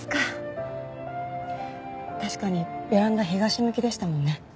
確かにベランダ東向きでしたもんね。